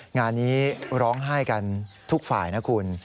งานนี้ร้องไห้กันทุกฝ่ายนะคุณ